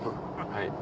はい。